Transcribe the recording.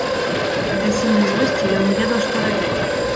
Ад бяссільнай злосці ён не ведаў, што рабіць.